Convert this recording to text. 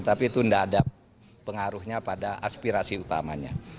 tapi itu tidak ada pengaruhnya pada aspirasi utamanya